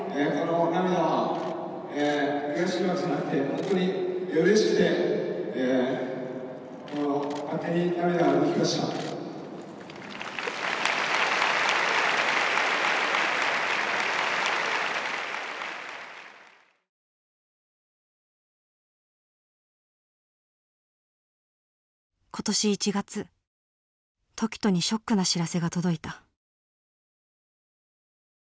今こうして僕の今年１月凱人にショックな知らせが届いた。